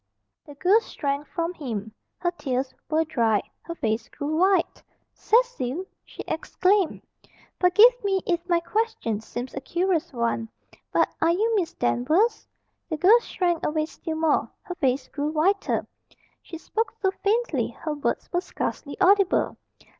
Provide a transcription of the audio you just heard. The girl shrank from him. Her tears were dried. Her face grew white. "Cecil!" she exclaimed. "Forgive me if my question seems a curious one, but are you Miss Danvers?" The girl shrank away still more. Her face grew whiter. She spoke so faintly her words were scarcely audible.